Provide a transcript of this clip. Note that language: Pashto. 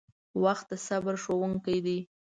• وخت د صبر ښوونکی دی.